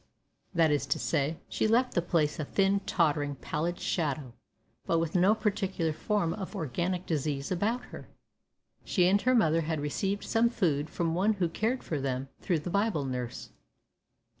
That is to say, she left the place a thin, tottering, pallid shadow, but with no particular form of organic disease about her. She and her mother had received some food from one who cared for them, through the Bible nurse.